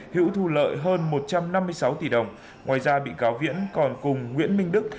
hữu thu lợi hơn một trăm năm mươi sáu tỷ đồng ngoài ra bị cáo viễn còn cùng nguyễn minh đức